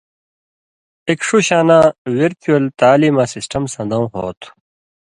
اېک ݜُو شاناں ورچوئل تعلیماں سسٹم سندؤں ہو تُھو